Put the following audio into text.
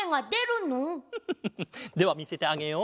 フフフフではみせてあげよう。